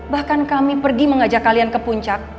bahkan kami pergi mengajak kalian ke puncak